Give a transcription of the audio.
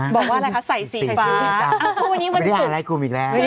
บอกว่าอะไรคะใส่สีฟ้าไม่ได้หาไลน์กลุ่มอีกแล้ว